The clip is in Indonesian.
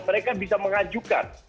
mereka bisa mengajukan